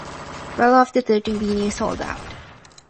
Twelve of the thirteen venues sold out.